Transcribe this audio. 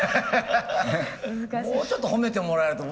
もうちょっと褒めてもらえると。